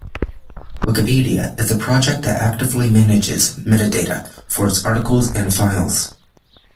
Wikipedia is a project that actively manages metadata for its articles and files.